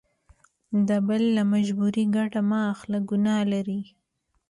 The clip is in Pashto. د بل له مجبوري ګټه مه اخله ګنا لري.